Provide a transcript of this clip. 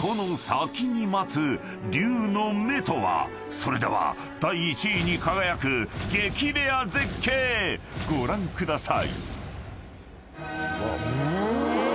［それでは第１位に輝く激レア絶景ご覧ください］